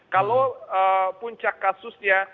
kalau puncak kasusnya